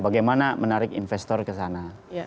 bagaimana menarik investor ke sana